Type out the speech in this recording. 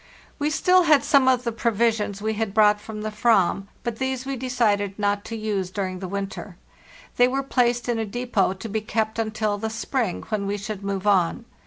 oht 5 We still had some of the provisions we had brou from the /ram, but these we decided not to use during the winter. They were placed in a depot to be kept until the spring, when we should move on.